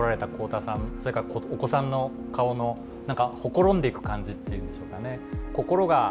それからお子さんの顔のほころんでいく感じっていうんでしょうかね。